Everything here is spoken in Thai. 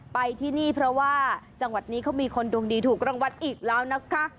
ไปที่นี่เพราะว่าจังหวัดนี้เขามีคนดวงดีถูกรางวัลอีกแล้วนะคะ